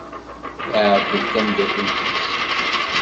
Iɛebbeḍ tamdakelt-is.